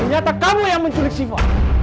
ternyata kamu yang menculik siva